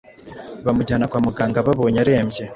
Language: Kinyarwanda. bamujyana kwa muganga babonye arembye,